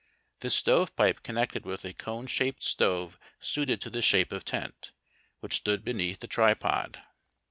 This stove pipe connected with a cone shaped stove suited to this shape of tent, which stood beneath the tripod.